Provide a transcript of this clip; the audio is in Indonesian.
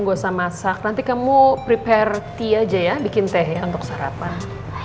nggak usah masak nanti kamu prepare ti aja ya bikin teh untuk sarapan